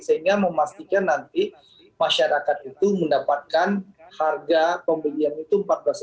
sehingga memastikan nanti masyarakat itu mendapatkan harga pembelian itu empat belas